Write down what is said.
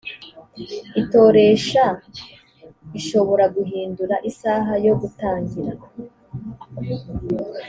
itoresha ishobora guhindura isaha yo gutangira